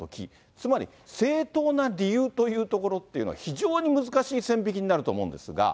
つまり、正当な理由というところっていうのは、非常に難しい線引きになると思うんですが。